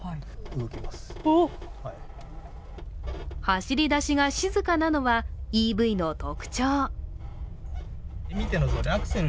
走り出しが静かなのは、ＥＶの特徴。